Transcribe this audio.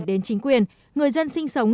đến chính quyền người dân sinh sống